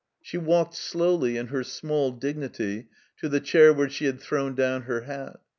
She walked slowly, in her small dignity, to the chair where she had thrown down her hat.